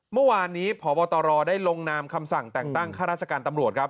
เมื่อวานนี้พบตรได้ลงนามคำสั่งแต่งตั้งข้าราชการตำรวจครับ